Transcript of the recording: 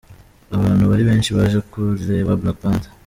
Abantu bari benshi baje kureba Black Panther.